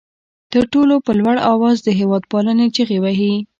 تر ټولو په لوړ آواز د هېواد پالنې چغې وهي.